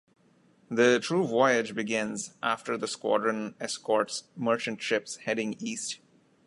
The true voyage begins, after the squadron escorts merchant ships heading east.